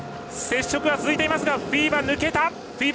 接触が続いていますがフィーバが抜けた。